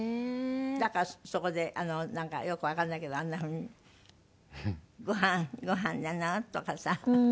だからそこでなんかよくわかんないけどあんなふうに「ご飯ご飯なの？」とかさ。うん。